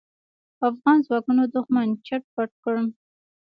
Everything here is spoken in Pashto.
افغان ځواکونو دوښمن چټ پټ کړ.